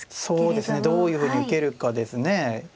そうですねどういうふうに受けるかですね。